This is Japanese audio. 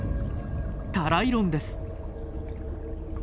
タライロンです。